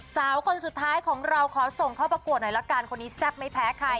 สาวคนสุดท้ายของเราขอส่งเข้าประกวดหน่อยละกันคนนี้แซ่บไม่แพ้ใคร